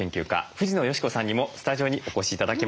藤野嘉子さんにもスタジオにお越し頂きました。